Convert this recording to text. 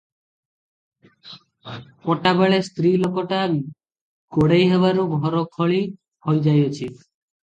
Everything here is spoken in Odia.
କଟାବେଳେ ସ୍ତ୍ରୀ ଲୋକଟା ଗୋଡ଼େଇ ହେବାରୁ ଘର ଖୋଳି ହୋଇଯାଇଅଛି ।